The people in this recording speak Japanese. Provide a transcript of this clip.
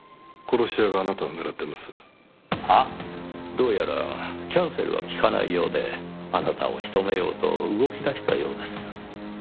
どうやらキャンセルは利かないようであなたを仕留めようと動き出したようです。